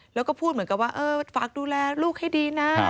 แล้วก็พูดเหมือนกับว่าเออฝากดูแลลูกให้ดีนะ